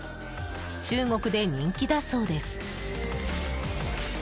中国で人気だそうです。